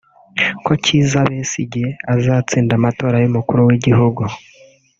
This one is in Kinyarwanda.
ko Kiiza Besigye azatsinda amatora y’umukuru w’igihugu